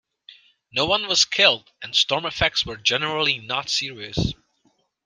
No one was killed and storm effects were generally not serious.